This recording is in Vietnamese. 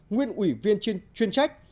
nguyên ủy viên chuyên trách